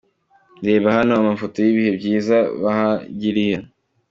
Reba hano amafoto y’ibihe byiza bahagiriye.